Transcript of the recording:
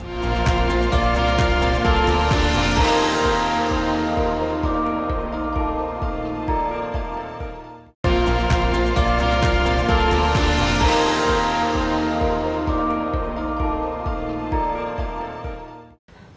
itu itu mana kita harus mendapatkan apabila kita mau belajar